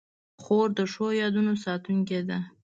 خور د ښو یادونو ساتونکې ده.